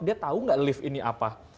dia tahu nggak lift ini apa